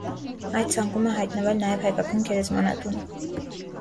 Այդ ցանկում է հայտնվել նաև հայկական գերեզմանատունը։